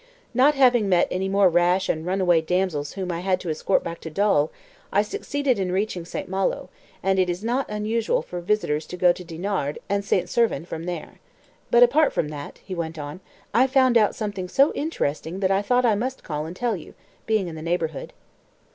"Not having met any more rash and runaway damsels whom I had to escort back to Dol, I succeeded in reaching St. Malo, and it is not unusual for visitors to go to Dinard and St. Servan from there. But, apart from that," he went on, "I found out something so interesting that I thought I must call and tell you being in the neighbourhood."